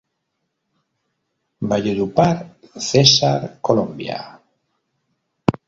Valledupar, Cesar, Colombia.